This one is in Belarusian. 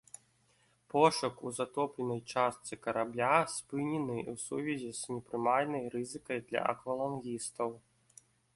Пошук у затопленай частцы карабля спынены ў сувязі з непрымальнай рызыкай для аквалангістаў.